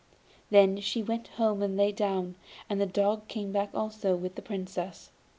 Then she went home and lay down, and the dog came back also, with the Princess.